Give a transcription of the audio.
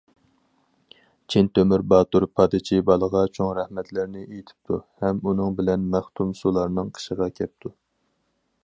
چىن تۆمۈر باتۇر پادىچى بالىغا چوڭ رەھمەتلەرنى ئېيتىپتۇ ھەم ئۇنىڭ بىلەن مەختۇمسۇلانىڭ قېشىغا كەپتۇ.